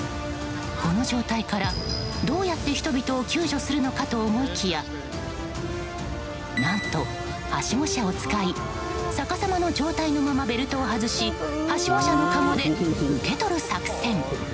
この状態から、どうやって人々を救助するのかと思いきや何とはしご車を使い逆さまの状態のままベルトを外しはしご車のかごで受け取る作戦。